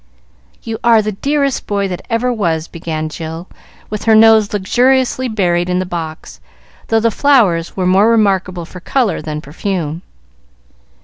"You are the dearest boy that ever was!" began Jill, with her nose luxuriously buried in the box, though the flowers were more remarkable for color than perfume.